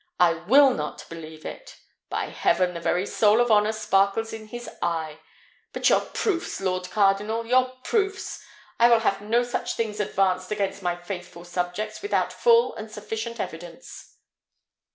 "I will not believe it! By heaven! the very soul of honour sparkles in his eye! But your proofs, lord cardinal! your proofs! I will not have such things advanced against my faithful subjects, without full and sufficient evidence."